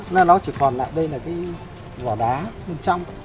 nó chỉ còn lại đây là cái vỏ đá bên trong